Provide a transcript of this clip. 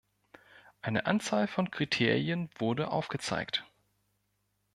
Eine Anzahl von Kriterien wurde aufgezeigt.